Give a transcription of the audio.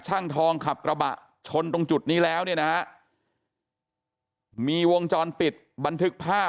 ช่างทองขับกระบะชนตรงจุดนี้แล้วนะมีวงจรปิดบันทึก